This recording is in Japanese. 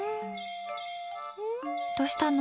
どうしたの？